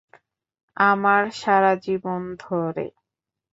আমার সারা জীবন ধরে।